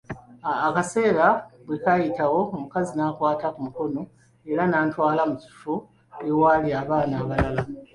Akaseera bwe kaayitawo, omukazi n'ankwata ku mukono era n'antwala mu kifro ewaali abaana abalala.